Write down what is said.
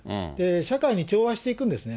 社会に調和していくんですね。